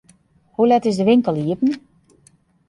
Hoe let is de winkel iepen?